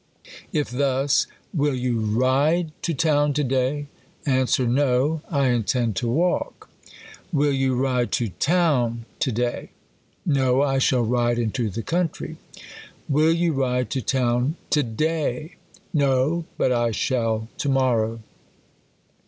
If thus ; Will you ride to town to day ? Answer, No; T intend to walk. Will you ride to toTsn THE COLUMBIAN ORATOR. 15 town to day ? No ; I shall ride into the counU y. Will you ride to town to day? No ; but 1 shall to morrow.